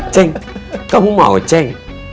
ceng kamu mau ceng